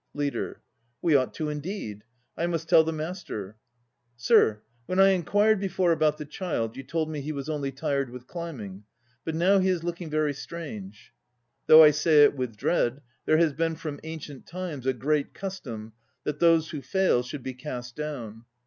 LEADER. We ought to indeed. I must tell the Master. Sir, when I enquired before about the child you told me he was only tired with climbing; but now he is looking very strange. Though I say it with dread, there has been from ancient times a Great Custom that those who fail should be cast down.